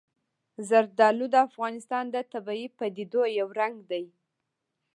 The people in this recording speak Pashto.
زردالو د افغانستان د طبیعي پدیدو یو رنګ دی.